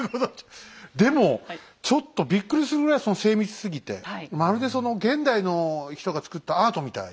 でもちょっとびっくりするぐらいその精密すぎてまるで現代の人がつくったアートみたいですね。